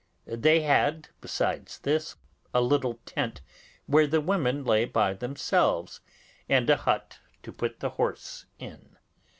They had, besides this, a little tent where the women lay by themselves, and a hut to put the horse in.